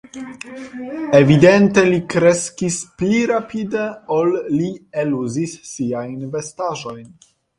Evidente li kreskis pli rapide, ol li eluzis siajn vestaĵojn.